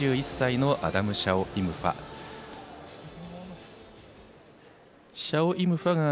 ２１歳のアダム・シャオイムファ。